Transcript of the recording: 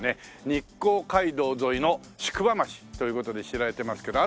日光街道沿いの宿場町という事で知られてますけど。